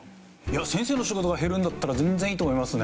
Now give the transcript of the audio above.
先生の仕事が減るんだったら全然いいと思いますね。